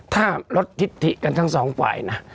ถ้าลดทิศถิกันทั้งสองฝ่ายนะ